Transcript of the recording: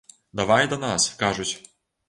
Давай да нас, кажуць.